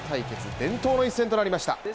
伝統の一戦となりました。